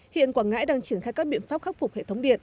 hiện quảng ngãi đang triển khai các biện pháp khắc phục hệ thống điện